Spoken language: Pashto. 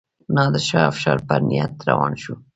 نادرشاه افشار په نیت روان شو.